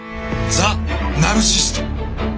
ザ・ナルシスト。